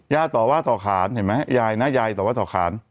ต่อว่าต่อขานเห็นไหมยายนะยายต่อว่าต่อขาน